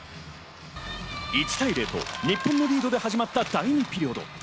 １対０と日本のリードで始まった第２ピリオド。